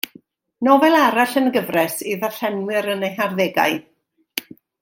Nofel arall yn y gyfres i ddarllenwyr yn eu harddegau.